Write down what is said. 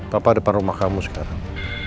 papa depan rumah kamu sekarang